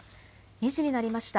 ２時になりました。